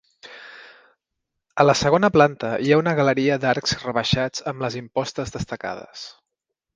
A la segona planta hi ha una galeria d'arcs rebaixats amb les impostes destacades.